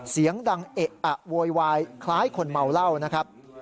เสียงดังเอะอะโวยวายคล้ายคนเมาเหล้านะครับ